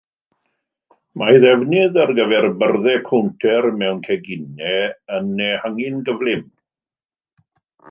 Mae ei ddefnydd ar gyfer byrddau cownter mewn ceginau yn ehangu'n gyflym.